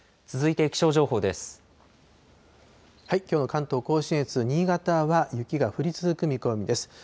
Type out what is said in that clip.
きょうの関東甲信越、新潟は雪が降り続く見込みです。